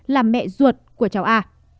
là mẹ ruột của cháu a